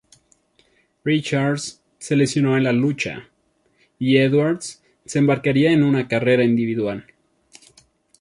Richards se lesionó en la lucha, y Edwards se embarcaría en una carrera individual.